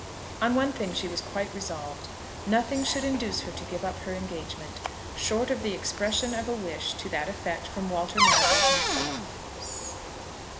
On one thing she was quite resolved. Nothing should induce her to give up her engagement, short of the expression of a wish to that effect from Walter Marrable himself.